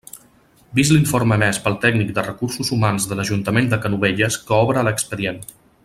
Vist l'informe emès pel tècnic de recursos humans de l'ajuntament de Canovelles que obra a l'expedient.